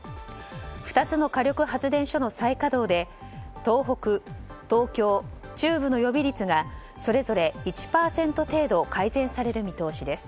２つの火力発電所の再稼働で東北・東京・中部の予備率がそれぞれ１％程度改善される見通しです。